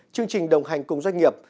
chương trình đồng hành cùng doanh nghiệp